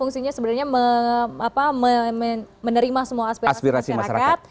fungsinya sebenarnya menerima semua aspirasi masyarakat